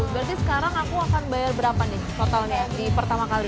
berarti sekarang aku akan bayar berapa nih totalnya di pertama kali